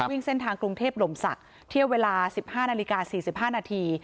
วิ่งเส้นทางกรุงเทพฯหล่มสักเที่ยวเวลาสิบห้านาฬิกาสี่สิบห้านาที